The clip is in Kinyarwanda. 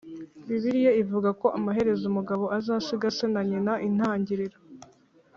Bibiliya ivuga ko amaherezo umugabo azasiga se na nyina Intangiriro